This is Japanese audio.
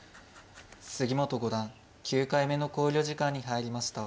杉本五段９回目の考慮時間に入りました。